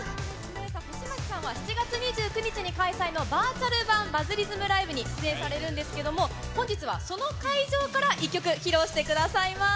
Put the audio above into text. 星街さんは７月２９日に開催のバーチャル版バズリズムライブに出演されるんですけれども、本日はその会場から一曲披露してくださいます。